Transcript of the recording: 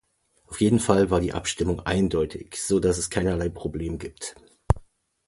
Auf jeden Fall war die Abstimmung eindeutig, sodass es keinerlei Problem gibt.